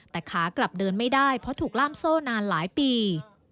แต่ขากลับเดินไม่ได้เพราะถูกล่ามโซ่นานหลายปี